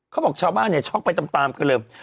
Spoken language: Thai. เขาบอกชาวบ้านช็อกไปตามก็เลย